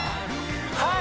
はい！